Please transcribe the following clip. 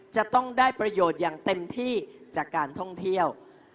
จะต้องได้ประโยชน์อย่างเต็มที่จากการท่องเที่ยว